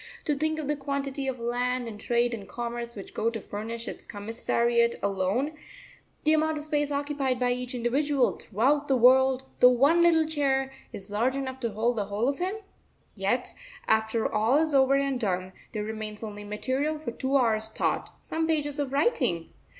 To think of the quantity of land and trade and commerce which go to furnish its commissariat alone, the amount of space occupied by each individual throughout the world, though one little chair is large enough to hold the whole of him! Yet, after all is over and done, there remains only material for two hours' thought, some pages of writing!